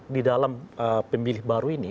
di dalam pemilih baru ini